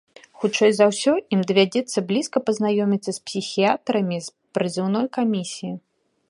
Хутчэй за ўсё ім давядзецца блізка пазнаёміцца з псіхіятрамі з прызыўной камісіі.